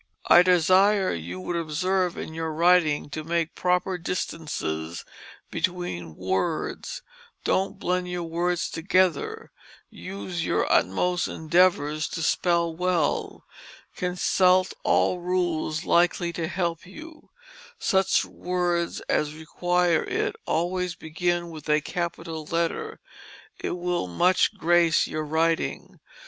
[Illustration: David Waite, Seven Years Old] "I desire you would observe in your Wrighting to make proper Distances between words; don't blend your words together use your utmost endeavours to spell well; consult all Rules likely to help you; Such words as require it allways begin with a capitoll Letter, it will much Grace your wrighting.